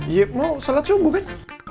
iya mau salat coba kan